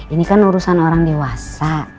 ini kan urusan orang dewasa